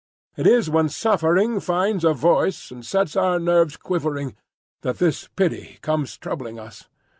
It is when suffering finds a voice and sets our nerves quivering that this pity comes troubling us.